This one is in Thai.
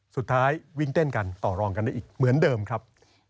สุดท้ายวิ่งเต้นกันต่อรองกันได้อีกเหมือนเดิมครับ